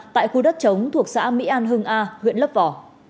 tại khu đất chống thuộc xã mỹ an hưng a huyện lấp vò